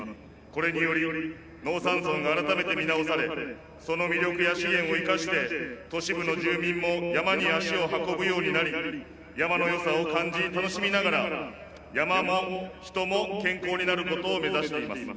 これにより農山村が改めて見直されその魅力や資源を生かして都市部の住民も山に足を運ぶようになり山のよさを感じ楽しみながら山も人も健康になることを目指しています。